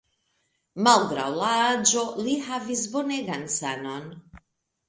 Malgraŭ la aĝo, li havis bonegan sanon.